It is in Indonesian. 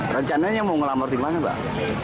rencananya mau ngelamur di mana mbak